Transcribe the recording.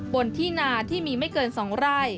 บนที่นาที่มีไม่เกิน๒ไร่